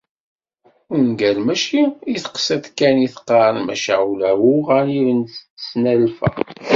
Ungal mačči i teqsiṭ kan i t-qqaren, maca ula i uɣanib d tesnalfa.